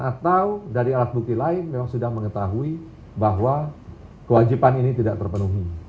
atau dari alat bukti lain memang sudah mengetahui bahwa kewajiban ini tidak terpenuhi